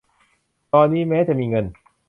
ตอนนี้ แม้จะมีเงิน